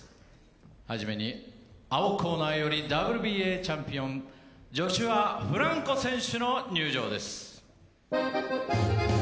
はじめに青コーナーよりＷＢＡチャンピオン、ジョシュア・フランコ選手の入場です。